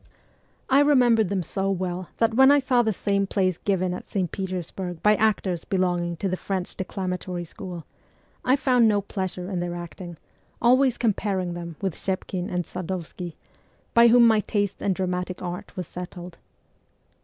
I remembered them so well that when I saw the same plays given at St. Petersburg by actors belonging to the French declamatory school, I found no pleasure in their acting, always comparing them with Schepkin and Sad6vskiy, by whom my taste in dramatic art was settled.